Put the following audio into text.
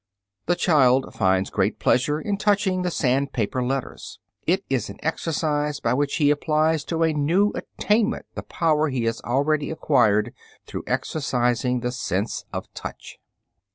The child finds great pleasure in touching the sandpaper letters. It is an exercise by which he applies to a new attainment the power he has already acquired through exercising the sense of touch.